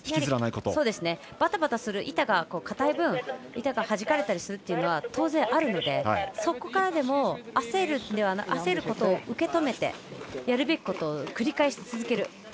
バタバタする、板が固い分板がはじかれたりするというのは当然、あるのでそこからでも焦ることを受け止めてやるべきことを繰り返しし続ける。